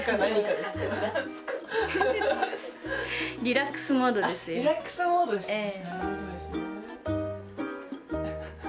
リラックスモードですか。